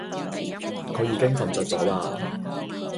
佢已經瞓著咗喇